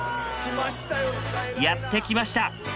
やって来ました。